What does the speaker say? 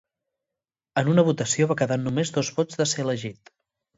En una votació va quedar a només dos vots de ser elegit.